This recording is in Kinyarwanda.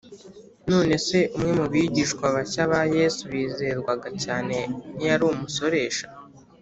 none se umwe mu bigishwa bashya ba yesu bizerwaga cyane ntiyari umusoresha?